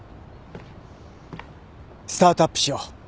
スタートアップしよう